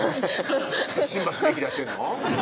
新橋の駅でやってんの？